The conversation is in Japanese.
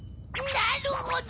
なるほど！